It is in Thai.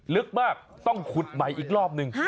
ลึกมากต้องขุดใหม่อีกรอบนึง